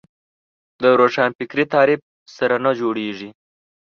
د روښانفکري تعریف سره نه جوړېږي